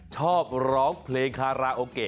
ชอบร้องเพลงคาราโอเกะ